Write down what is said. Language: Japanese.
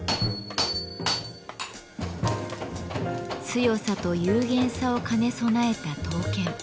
強さと幽玄さを兼ね備えた刀剣。